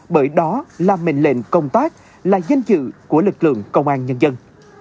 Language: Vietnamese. bởi đó là mệnh lệnh công tác là danh dự của lực lượng công an nhân dân